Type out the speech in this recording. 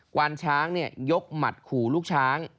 วานช้างยกหมัดขู่ลูกช้าง